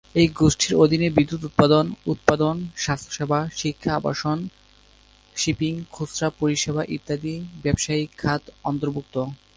এই গোষ্ঠীর অধীনে বিদ্যুৎ উৎপাদন, উৎপাদন, স্বাস্থ্যসেবা, শিক্ষা, আবাসন, শিপিং, খুচরা পরিষেবা ইত্যাদি ব্যবসায়িক খাত অন্তর্ভুক্ত।